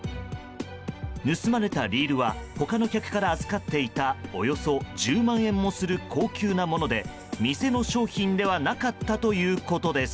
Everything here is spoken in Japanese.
盗まれたリールは他の客から預かっていたおよそ１０万円もする高級なもので店の商品ではなかったということです。